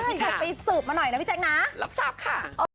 พี่แขกไปสืบมาหน่อยนะวิจัยนะรับทราบค่ะ